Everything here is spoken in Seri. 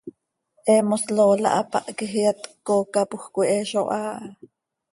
He mos Lola hapáh quij iyat cöcoocapoj coi, he zo haa ha.